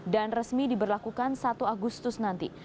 dan resmi diberlakukan satu agustus nanti